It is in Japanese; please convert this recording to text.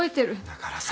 だからさ。